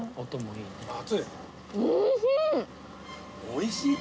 おいしい。